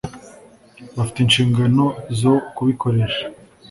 bafite inshingano zo kubikoresha